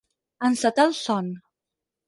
Encetar el son.